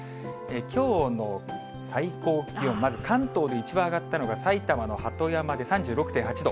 きょうの最高気温、まず関東で一番上がったのが、埼玉の鳩山で３６．８度。